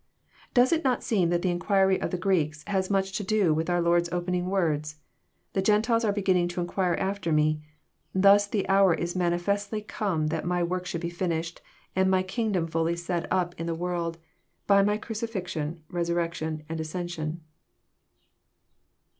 Does it not seem that the inquiry of the Greeks has much to do with our Lord's opening words?— "The Gentiles are begin ning to inquire after Me. Thus the hour is manifestly come that my work should be finished, and my kingdom fully set up in the world, by my crucifixion, resurrection, and ascension."